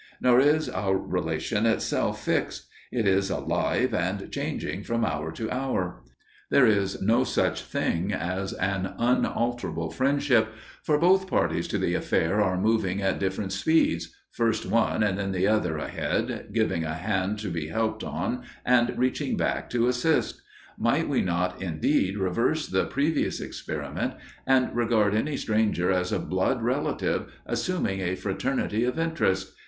Nor is our relation itself fixed; it is alive and changing from hour to hour. There is no such thing as an unalterable friendship, for both parties to the affair are moving at different speeds, first one and then the other ahead, giving a hand to be helped on and reaching back to assist. Might we not, indeed, reverse the previous experiment and regard any stranger as a blood relative, assuming a fraternity of interest?